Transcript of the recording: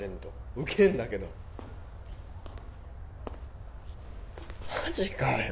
ウケるんだけどマジかよ！？